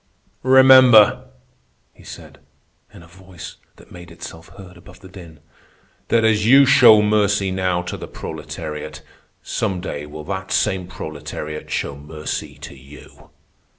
"Remember," he said, in a voice that made itself heard above the din, "that as you show mercy now to the proletariat, some day will that same proletariat show mercy to you."